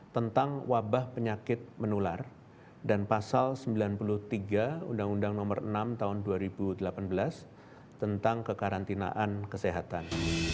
tentang wabah penyakit menular dan pasal sembilan puluh tiga undang undang nomor enam tahun dua ribu delapan belas tentang kekarantinaan kesehatan